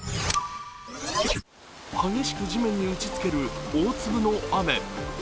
激しく地面に打ちつける大粒の雨。